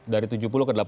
ada trend naik